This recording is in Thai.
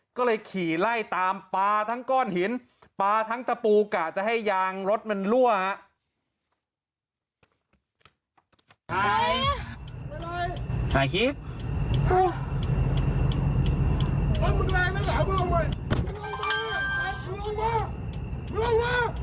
ก็เลยขี่ไล่ตามปลาทั้งก้อนหินปลาทั้งตะปูกะจะให้ยางรถมันรั่วฮะ